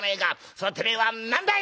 それをてめえは何だい！